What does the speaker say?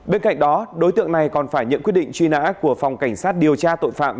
bên cạnh đó đối tượng này còn phải nhận quyết định truy nã của phòng cảnh sát điều tra tội phạm